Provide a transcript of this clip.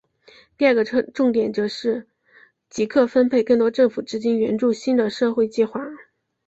第二个重点则是即刻分配更多政府资金援助新的社会计画。